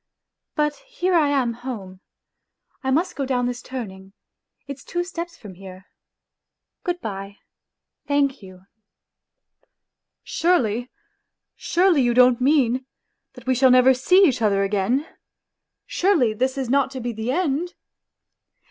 ... But here I am home ; I must go down this turning, it's two steps from here. ... Good bye, thank you !...'" Surely ... surely you don't mean ... that we shall never see each other again ?... Surely this is not to be the end